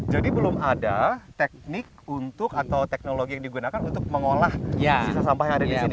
jadi belum ada teknik atau teknologi yang digunakan untuk mengolah sampah yang ada di sini